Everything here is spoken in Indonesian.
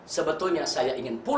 sebetulnya saya ingin pulang